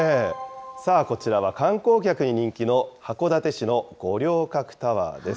こちらは観光客に人気の函館市の五稜郭タワーです。